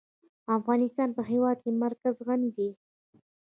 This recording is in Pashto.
افغانستان په د هېواد مرکز غني دی.